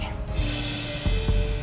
udah ketemu sama jessica mama